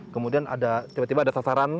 kemudian ada tiba tiba ada sasaran